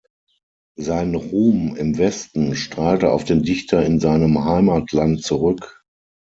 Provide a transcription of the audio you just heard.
Sein Ruhm im Westen strahlte auf den Dichter in seinem Heimatland zurück.